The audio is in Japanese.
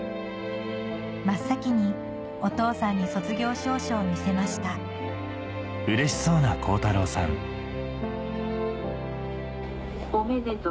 真っ先にお父さんに卒業証書を見せましたおめでとう。